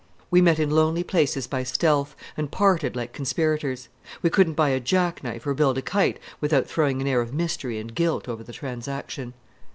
We met in lonely places by stealth, and parted like conspirators; we couldn't buy a jackknife or build a kite without throwing an air of mystery and guilt over the transaction.